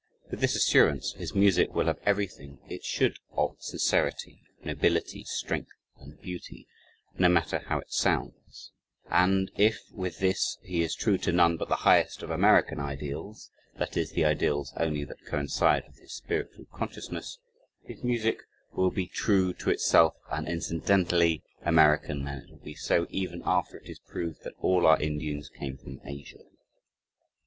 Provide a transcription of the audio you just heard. With this assurance his music will have everything it should of sincerity, nobility, strength, and beauty, no matter how it sounds; and if, with this, he is true to none but the highest of American ideals (that is, the ideals only that coincide with his spiritual consciousness) his music will be true to itself and incidentally American, and it will be so even after it is proved that all our Indians came from Asia.